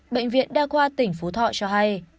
bệnh viện đa khoa tỉnh phú thọ cho hay